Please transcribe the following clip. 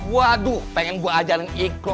waduh pengen gua ajarin ikhlo